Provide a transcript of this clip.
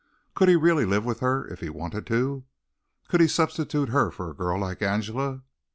Could he really live with her if he wanted to? Could he substitute her for a girl like Angela?